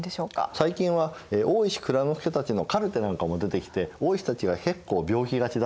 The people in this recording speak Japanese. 最近は大石内蔵助たちのカルテなんかも出てきて大石たちが結構病気がちだったとかね